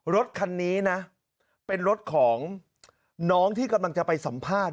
รถคันนี้นะเป็นรถของน้องที่กำลังจะไปสัมภาษณ์